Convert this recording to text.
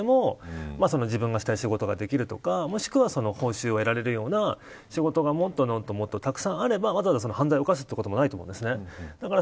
こういう犯罪に手を染めなくても自分がしたい仕事ができるとかもしくは報酬を得られるような仕事がもっとたくさんあればわざわざ犯罪を犯すこともないと思うんです。